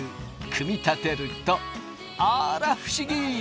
組み立てるとあら不思議。